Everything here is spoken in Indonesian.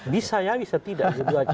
bisa ya bisa tidak